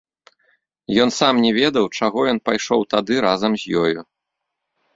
Ён сам не ведаў, чаго ён пайшоў тады разам з ёю.